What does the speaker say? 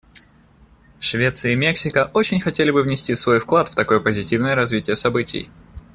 Швеция и Мексика очень хотели бы внести свой вклад в такое позитивное развитие событий.